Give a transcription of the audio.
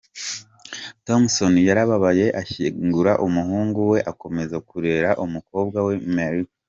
Thompson yarababaye ashyingura umuhungu we akomeza kurera umukobwa we Mercy.